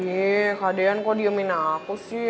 iya kak dean kok diemin aku sih